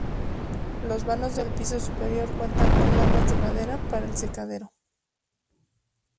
Los vanos del piso superior cuentan con lamas de madera para el secadero.